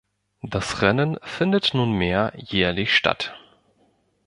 Das Rennen findet nunmehr jährlich statt.